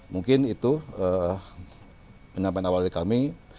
mungkin itu penyampaian awal dari kami